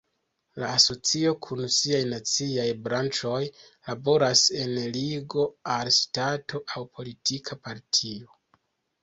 La asocio kun siaj naciaj branĉoj laboras sen ligo al ŝtato aŭ politika partio.